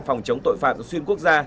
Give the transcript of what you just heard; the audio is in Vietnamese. phòng chống tội phạm xuyên quốc gia